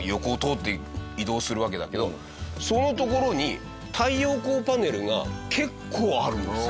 その所に太陽光パネルが結構あるんですよ。